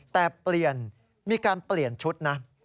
แต่เปลี่ยนมีการเปลี่ยนชุดนะ